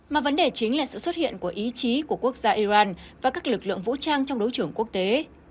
mà vấn đề chính là sự xuất hiện của ý chí của quốc gia iran và các lực lượng vũ trang trong đấu trưởng quốc tế